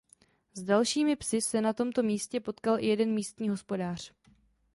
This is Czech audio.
S dalšími psy se na tomto místě potkal i jeden místní hospodář.